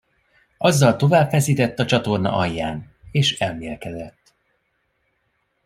Azzal tovább feszített a csatorna alján, és elmélkedett.